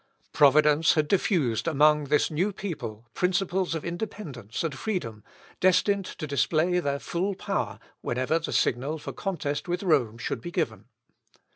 Providence had diffused among this new people principles of independence and freedom, destined to display their full power whenever the signal for contest with Rome should be given.